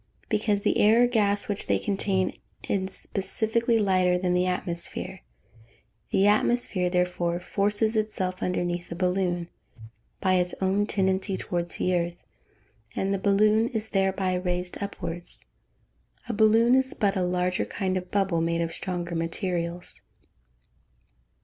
_ Because the air or gas which they contain is specifically lighter than the atmosphere; the atmosphere, therefore, forces itself underneath the balloon, by its own tendency towards the earth, and the balloon is thereby raised upwards. _A balloon is but a larger kind of bubble, made of stronger materials.